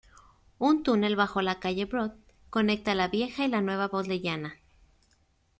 Un túnel bajo la calle Broad conecta la Vieja y la Nueva Bodleiana.